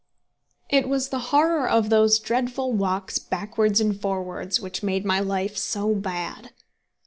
It was the horror of those dreadful walks backwards and forwards which made my life so bad.